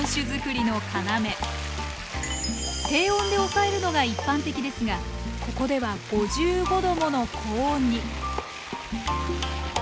低温でおさえるのが一般的ですがここでは５５度もの高温に。